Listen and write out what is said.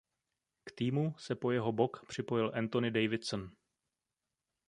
K týmu se po jeho bok připojil Anthony Davidson.